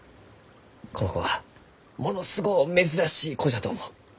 この子はものすごう珍しい子じゃと思う。